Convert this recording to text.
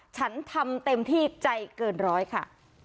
ฉันทำเต็มที่ใจเกินร้อยค่ะ